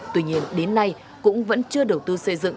tuy nhiên đến nay cũng vẫn chưa đầu tư xây dựng